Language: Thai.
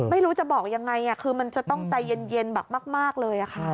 ไม่รู้จะบอกยังไงคือมันจะต้องใจเย็นแบบมากเลยค่ะ